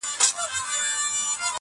سیاه پوسي ده، قندهار نه دی